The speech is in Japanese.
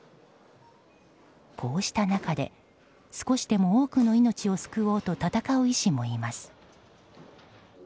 こうした中で少しでも多くの命を救おうと闘う医師もいます。